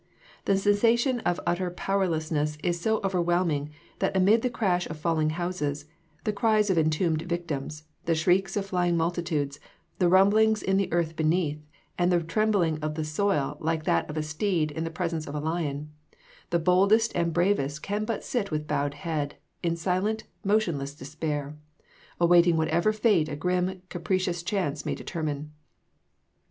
The sensation of utter powerlessness is so overwhelming, that amid the crash of falling houses, the cries of entombed victims, the shrieks of flying multitudes, the rumblings in the earth beneath, and the trembling of the soil like that of a steed in the presence of a lion, the boldest and bravest can but sit with bowed head, in silent, motionless despair, awaiting whatever fate a grim capricious chance may determine.